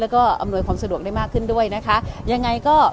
แล้วก็อำนวยความสะดวกได้มากขึ้นด้วยนะคะยังไงก็